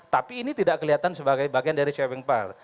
tapi ini tidak kelihatan sebagai bagian dari sharing power